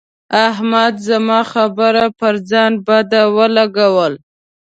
احمد زما خبره پر ځان بده ولګوله.